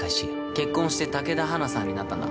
結婚して武田花さんになったんだ。